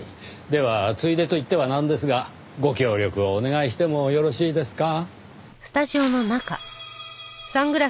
ではついでと言ってはなんですがご協力をお願いしてもよろしいですか？